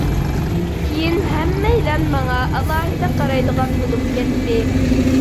كېيىن ھەممەيلەن ماڭا ئالاھىدە قارايدىغان بولۇپ كەتتى.